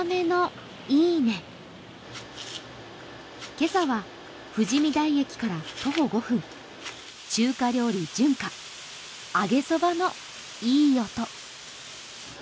今朝は富士見台駅から徒歩５分、中華料理純華、揚げそばのいい音。